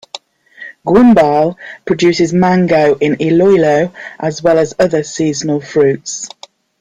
Guimbal produces mango in Iloilo as well as other seasonal fruits.